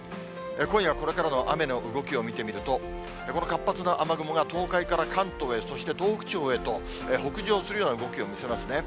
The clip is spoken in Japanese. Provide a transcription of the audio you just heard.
今夜これからの雨の動きを見てみると、この活発な雨雲が東海から関東へ、そして東北地方へと、北上するような動きを見せますね。